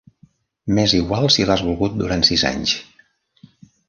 M'és igual si l'has volgut durant sis anys.